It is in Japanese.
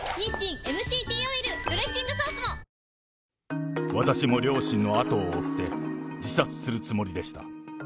ニトリ私も両親の後を追って、自殺するつもりでした。